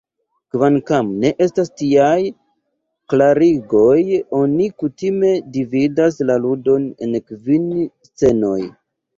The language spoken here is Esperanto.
Kvankam ne estas tiaj klarigoj oni kutime dividas la ludon en kvin scenoj.